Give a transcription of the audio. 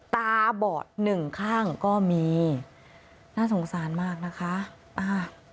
ตาบอดหนึ่งข้างก็มีน่าสงสารมากนะคะอ่า